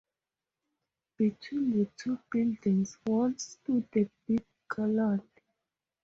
Between the two buildings once stood the big Garland.